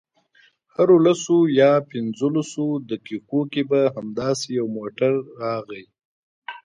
هرو لسو یا پنځلسو دقیقو کې به همداسې یو موټر راغی.